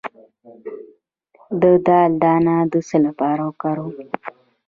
د دال دانه د څه لپاره وکاروم؟